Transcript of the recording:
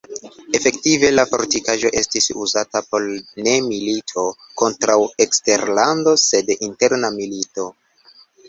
Efektive la fortikaĵo estis uzata por ne milito kontraŭ eksterlando sed interna milito.